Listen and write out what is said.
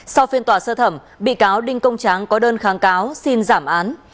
sau phiên tòa sơ thẩm bị cáo đinh công tráng có đơn kháng cáo xin giảm án